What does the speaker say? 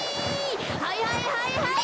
はいはいはいはい！